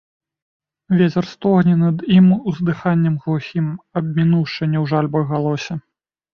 Вецер стогне над ім уздыханнем глухім, - аб мінуўшчыне ў жальбах галосе.